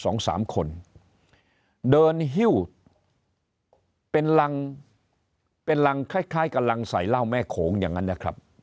สองสามคนเดินหิ้วเป็นรังเป็นรังคล้ายคล้ายกำลังใส่เหล้าแม่โขงอย่างนั้นนะครับ